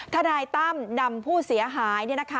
ทนายตั้มนำผู้เสียหาย